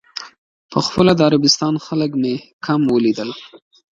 په خپله د عربستان خلک مې کم ولیدل.